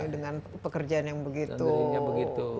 dengan pekerjaan yang begitu